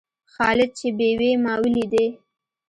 خالد چې بېوى؛ ما وليدئ.